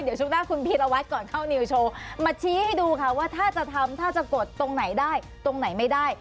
เดี๋ยวช่วงหน้าคุณพีรวัตรก่อนเข้านิวโชว์มาชี้ให้ดูค่ะว่าถ้าจะทำถ้าจะกดตรงไหนได้ตรงไหนไม่ได้